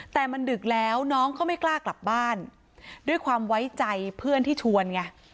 แต่มันดึกแล้วน้องก็ไม่กล้ากลับบ้านด้วยความไว้ใจเพื่อนที่ชวนไง